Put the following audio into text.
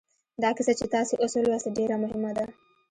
دا کیسه چې تاسې اوس ولوسته ډېره مهمه ده